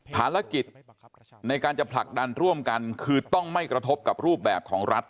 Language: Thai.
ภารกิจในการจะผลักดันร่วมกันคือต้องไม่กระทบกับรูปแบบของรัฐ